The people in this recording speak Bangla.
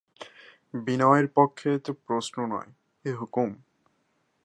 বিনয়ের পক্ষে এ তো প্রশ্ন নয়, এ হুকুম।